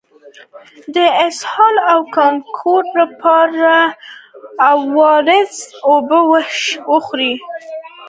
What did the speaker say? د اسهال او کانګو لپاره د او ار اس اوبه وڅښئ